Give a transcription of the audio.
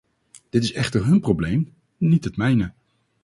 Dat is echter hun probleem, niet het mijne.